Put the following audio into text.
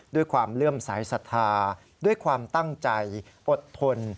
ด้วยความเลื่อมสายศรัทธาด้วยความตั้งใจอดทน